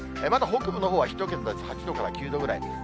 まだ北部のほうは１桁です、８度から９度ぐらい。